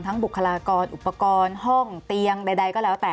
บุคลากรอุปกรณ์ห้องเตียงใดก็แล้วแต่